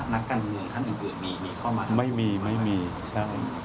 นักการเมืองท่านอื่นอื่นมีมีเข้ามาไม่มีไม่มีใช่ไหม